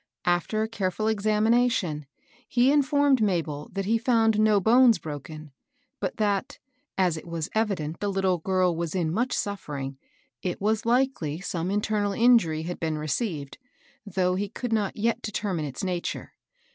After a careful examination, he informed Mabel that he found no bones broken ; but that, as it was evident the little girl was in much suffer ing, it was likely some internal injury had been received, though he could not yet determine its nature.